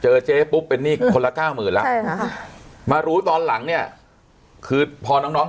เจ๊ปุ๊บเป็นหนี้คนละเก้าหมื่นแล้วใช่ค่ะมารู้ตอนหลังเนี่ยคือพอน้องน้อง